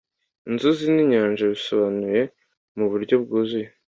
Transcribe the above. inzuzi n’inyanja bisobanuye mu buryo bwuzuye